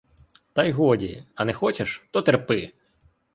Та й годі, а не хочеш, то терпи!